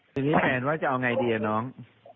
ทีนี้แฟนว่าจะเอาไงดีอะน้อง